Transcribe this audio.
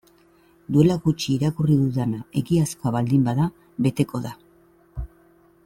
Duela gutxi irakurri dudana egiazkoa baldin bada beteko da.